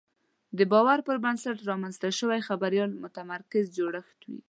د باور پر بنسټ رامنځته شوی چاپېریال متمرکز جوړښت وي.